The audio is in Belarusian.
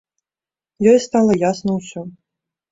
Ёй стала ясна ўсё.